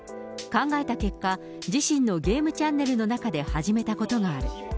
考えた結果、自身のゲームチャンネルの中で始めたことがある。